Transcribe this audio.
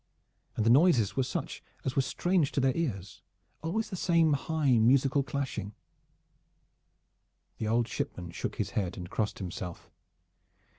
And the noises were such as were strange to their ears, always the same high musical clashing. The old shipman shook his head and crossed himself.